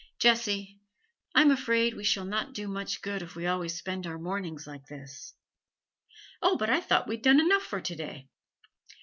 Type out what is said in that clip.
'Jessie, I'm afraid we shall not do much good if we always spend our mornings like this!' 'Oh, but I thought we'd done enough for to day.'